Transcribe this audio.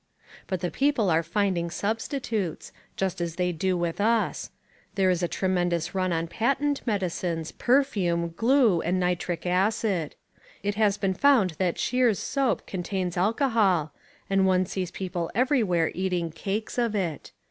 But the people are finding substitutes, just as they do with us. There is a tremendous run on patent medicines, perfume, glue and nitric acid. It has been found that Shears' soap contains alcohol, and one sees people everywhere eating cakes of it.